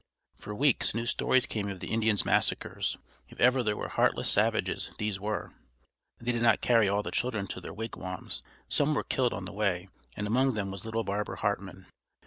For weeks new stories came of the Indians' massacres. If ever there were heartless savages these were! They did not carry all the children to their wigwams; some were killed on the way; and among them was little Barbara Hartman.